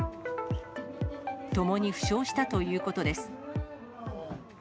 ともに負傷したということです。